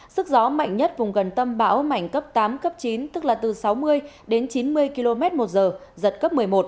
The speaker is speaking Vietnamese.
sức gió mạnh nhất vùng gần tâm bão mạnh cấp tám cấp chín tức là từ sáu mươi đến chín mươi km một giờ giật cấp một mươi một